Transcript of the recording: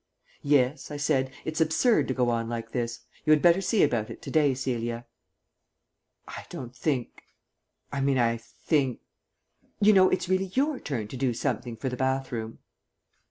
"Yes," I said, "it's absurd to go on like this. You had better see about it to day, Celia." "I don't think I mean, I think you know, it's really your turn to do something for the bathroom."